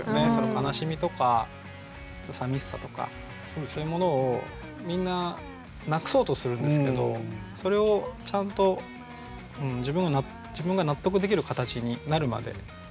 悲しみとかさみしさとかそういうものをみんななくそうとするんですけどそれをちゃんと自分が納得できる形になるまで。